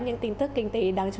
những tin tức kinh tế đáng nhớ